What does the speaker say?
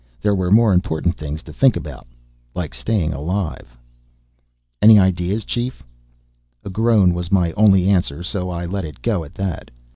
There were more important things to think about. Like staying alive. "Any ideas, Chief?" A groan was my only answer so I let it go at that.